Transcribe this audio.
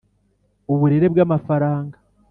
uburere bw'amafaranga: